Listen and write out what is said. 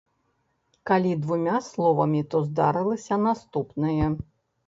Калі двума словамі, то здарылася наступнае.